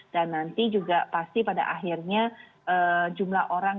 dan nanti juga pasti pada akhirnya jumlah orang